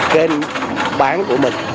kênh bán của mình